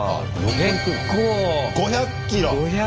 結構！５００キロ！